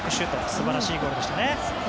素晴らしいゴールでした。